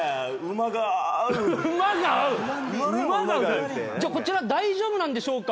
馬が合うってこちら大丈夫なんでしょうか？